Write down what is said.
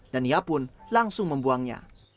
dan ia pun langsung membuangnya